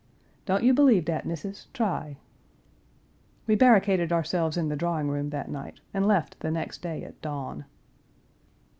"Don't you believe dat, Missis; try." We barricaded ourselves in the drawing room that night and left the next day at dawn.